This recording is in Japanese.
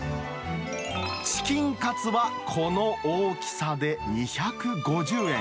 チキンカツはこの大きさで２５０円。